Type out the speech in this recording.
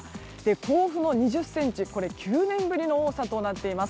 甲府も２０ｃｍ９年ぶりの多さとなっています。